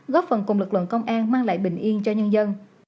góp phần cùng lực lượng công an mang lại bình yên cho nhân dân